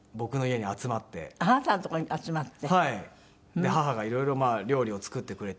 で母がいろいろ料理を作ってくれて。